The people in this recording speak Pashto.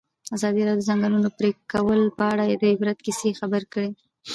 ازادي راډیو د د ځنګلونو پرېکول په اړه د عبرت کیسې خبر کړي.